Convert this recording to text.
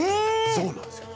そうなんですよ。